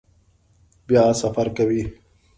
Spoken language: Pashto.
بیا سفر کوئ؟